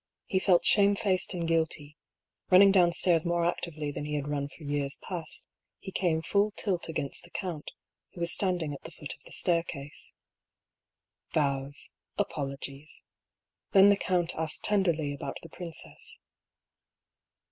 He felt shamefaced and guilty : running down stairs more actively than he had run for years past, he came full tilt against the count, who was standing at the foot of the staircase. Bows, apologies. Then the count asked tenderly about the princess.